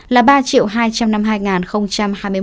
là ba hai trăm năm mươi bảy liều vaccine được tiêm